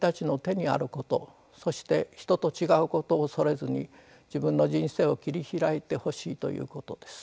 そして人と違うことを恐れずに自分の人生を切り開いてほしいということです。